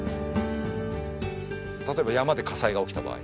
例えば山で火災が起きた場合。